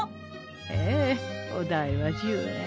ええお代は１０円。